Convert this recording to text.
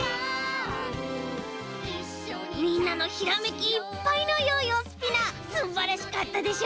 みんなのひらめきいっぱいのヨーヨースピナーすんばらしかったでしょ？